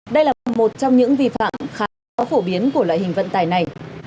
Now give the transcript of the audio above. đây là một trong những vi phạm khá khó phổ biến của loại hình vận tải này